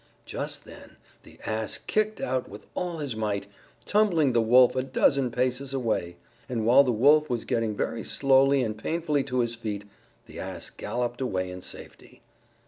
Just then the Ass kicked out with all his might, tumbling the Wolf a dozen paces away. And while the Wolf was getting very slowly and painfully to his feet, the Ass galloped away in safety.